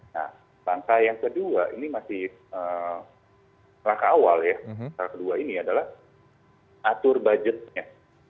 nah langkah yang kedua ini masih langkah awal ya langkah kedua ini adalah atur budgetnya